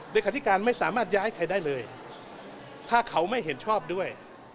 คาธิการไม่สามารถย้ายใครได้เลยถ้าเขาไม่เห็นชอบด้วย